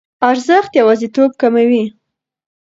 ارزښت یوازیتوب کموي.